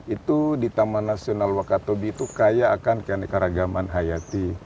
itu di taman nasional wakatobi itu kaya akan keanekaragaman hayati